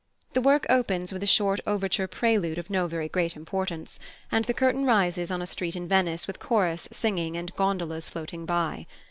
The work opens with a short overture prelude of no very great importance, and the curtain rises on a street in Venice with chorus singing and gondolas floating by.